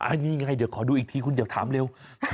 อันนี้ไงเดี๋ยวขอดูอีกทีคุณอย่าถามเร็ว